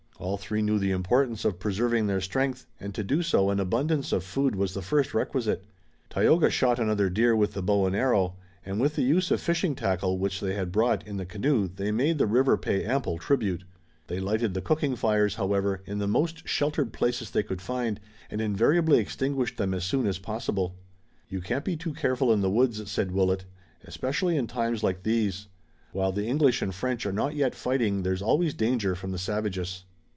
All three knew the importance of preserving their strength, and to do so an abundance of food was the first requisite. Tayoga shot another deer with the bow and arrow, and with the use of fishing tackle which they had brought in the canoe they made the river pay ample tribute. They lighted the cooking fires, however, in the most sheltered places they could find, and invariably extinguished them as soon as possible. "You can't be too careful in the woods," said Willet, "especially in times like these. While the English and French are not yet fighting there's always danger from the savages."